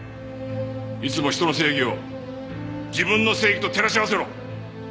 いつも人の正義を自分の正義と照らし合わせろ！